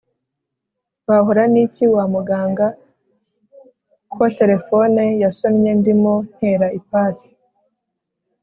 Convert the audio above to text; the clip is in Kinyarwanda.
wahora n'iki wa muganga ko telefone yasonnye ndimo ntera ipasi